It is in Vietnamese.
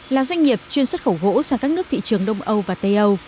là doanh nghiệp chuyên xuất khẩu gỗ sang các nước thị trường đông âu và tây âu